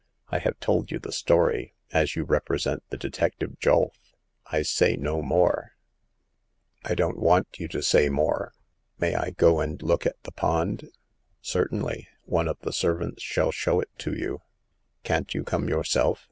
I have told you the story, as you represent the detective Julf. I say no more !"" I don't want you to say more. May I go and look at the pond ?"Certainly. One of the servants shall show it to you." Can't you come yourself